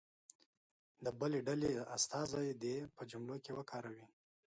د بلې ډلې استازی دې په جملو کې وکاروي.